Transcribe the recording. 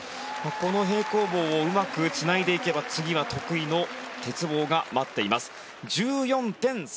この平行棒をうまくつないでいけば次は得意の鉄棒が待っています。１４．３６６。